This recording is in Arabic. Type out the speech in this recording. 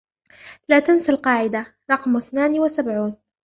لا تنسى القاعدة رقم إثنان وسبعون.